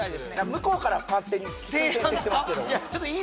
向こうから勝手に推薦してきてますけどあ